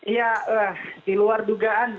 ya di luar dugaan